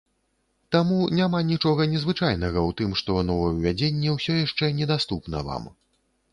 Таму няма нічога незвычайнага ў тым, што новаўвядзенне ўсё яшчэ недаступна вам.